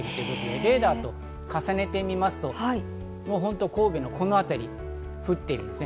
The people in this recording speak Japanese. レーダーと重ねてみますと神戸のこの辺りに降っていますね。